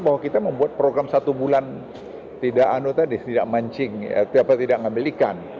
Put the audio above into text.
bahwa kita membuat program satu bulan tidak mancing tidak mengambil ikan